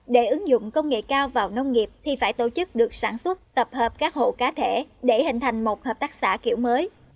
để ứng dụng công nghệ cao vào nông nghiệp thì phải tổ chức được sản xuất tập hợp các hộ cá thể để hình thành một hợp tác xã kiểu mới